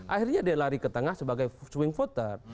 akhirnya dia lari ke tengah sebagai swing voter